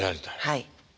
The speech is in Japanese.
はい。